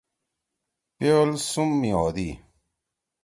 پیول سُم می ہودی۔